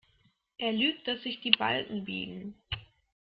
Er lügt, dass sich die Balken biegen.